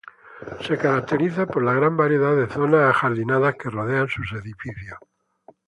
Se caracteriza por la gran variedad de zonas ajardinadas que rodean sus edificios.